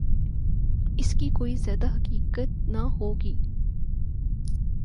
اس کی کوئی زیادہ حقیقت نہ ہو گی۔